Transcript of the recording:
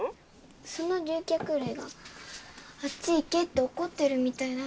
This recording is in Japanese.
その竜脚類があっち行けって怒ってるみたいだったんです。